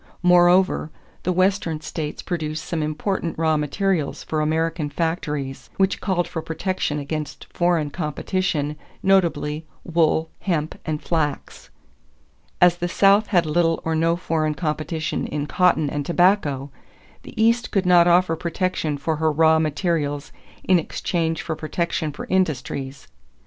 Moreover, the Western states produced some important raw materials for American factories, which called for protection against foreign competition, notably, wool, hemp, and flax. As the South had little or no foreign competition in cotton and tobacco, the East could not offer protection for her raw materials in exchange for protection for industries.